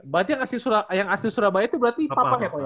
berarti yang asli surabaya itu berarti papa ya